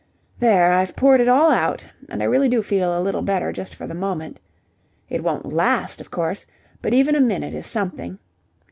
"There! I've poured it all out and I really do feel a little better just for the moment. It won't last, of course, but even a minute is something.